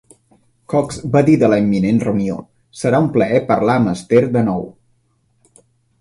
Cox va dir de la imminent reunió: Serà un plaer parlar amb Esther de nou.